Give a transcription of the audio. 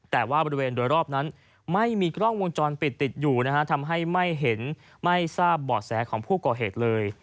แต่ว่าบริเวณโดยรอบนั้นไม่มีกล้องวงจรปิดติดอยู่นะฮะทำให้ไม่เห็นไม่ทราบบ่อแสของผู้ก่อเหตุเลย